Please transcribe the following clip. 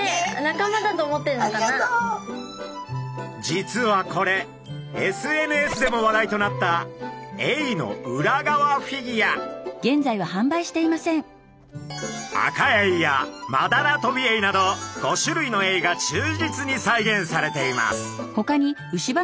実はこれＳＮＳでも話題となったアカエイやマダラトビエイなど５種類のエイが忠実に再現されています。